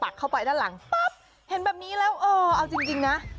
เข้าไปด้านหลังปั๊บเห็นแบบนี้แล้วเออเอาจริงนะ